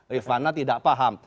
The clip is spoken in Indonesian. rifana tidak paham